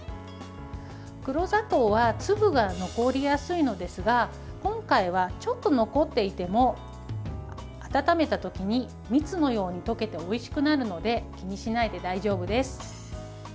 黒砂糖は粒が残りやすいのですが今回はちょっと残っていても温めた時に蜜のように溶けておいしくなるので気にしないで大丈夫です。